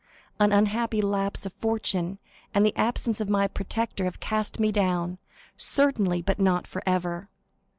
An unhappy lapse of fortune and the absence of my protector have cast me down, certainly, but not forever.